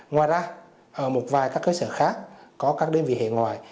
ngoài ra ở một vài cơ sở khác có các đơn vị hệ ngoài